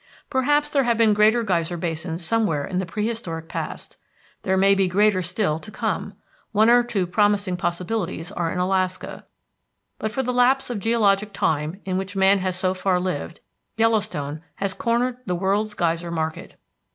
Perhaps there have been greater geyser basins somewhere in the prehistoric past. There may be greater still to come; one or two promising possibilities are in Alaska. But for the lapse of geologic time in which man has so far lived, Yellowstone has cornered the world's geyser market.